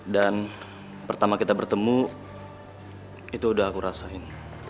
dan pertama kita bertemu itu udah aku rasain